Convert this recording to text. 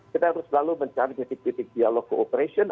kita harus selalu mencari titik titik dialog cooperation